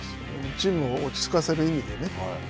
チームを落ち着かせる意味でね。